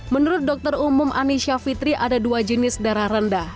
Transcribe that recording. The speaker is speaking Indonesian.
menurut dokter umum anisha fitri ada dua jenis darah rendah